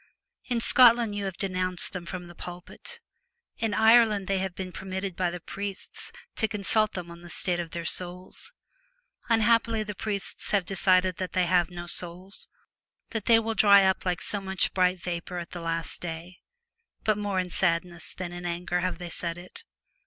In Scotland you have denounced them from the pulpit. In Ireland they have been permitted by the priests to consult them on the state of their souls. Unhappily the priests have decided that they have no souls, that they will dry up like so much bright vapour at the last day ; but more in sadness than in anger have they said it.